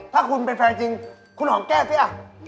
ถ้าคุณเป็นแฟนจริงคุณหอมแก้ซิ